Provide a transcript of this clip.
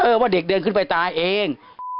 ว่าเด็กเดินขึ้นไปตายเอง